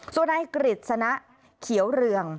ส่วนนายกฤษณะเขียวเรือง